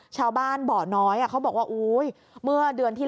ชาวบ้านบ่อน้อยเขาบอกว่าอุ๊ยเมื่อเดือนที่แล้ว